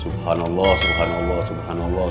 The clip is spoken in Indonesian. subhanallah subhanallah subhanallah